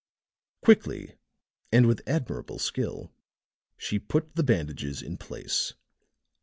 Quickly, and with admirable skill, she put the bandages in place.